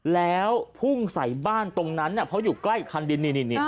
แล้วพุ่งใส่บ้านตรงนั้นเพราะอยู่ใกล้คันดินนี่